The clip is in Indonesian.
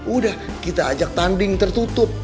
udah kita ajak tanding tertutup